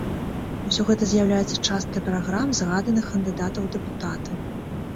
Усё гэта з'яўляецца часткай праграм згаданых кандыдатаў у дэпутаты.